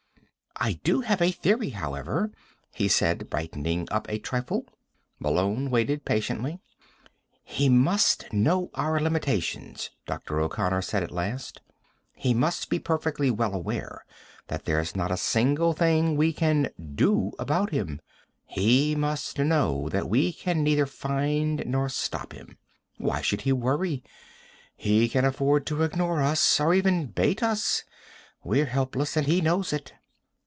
"I do have a theory, however," he said, brightening up a trifle. Malone waited patiently. "He must know our limitations," Dr. O'Connor said at last. "He must be perfectly well aware that there's not a single thing we can do about him. He must know that we can neither find nor stop him. Why should he worry? He can afford to ignore us or even bait us. We're helpless, and he knows it."